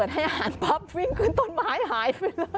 ให้อาหารปั๊บวิ่งขึ้นต้นไม้หายไปเลย